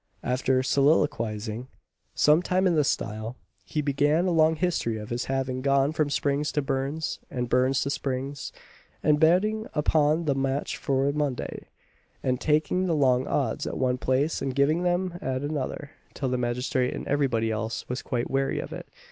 After soliloquising some time in this style, he began a long history of his having gone from Spring's to Burn's, and Burn's to Spring's, and betting upon the "match for Monday;" and taking the long odds at one place and giving them at another, till the magistrate and everybody else was quite weary of it.